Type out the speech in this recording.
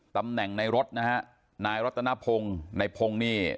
ตำแหน่งในรถนะฮะนายรัตนพงศ์ในพงศ์นี่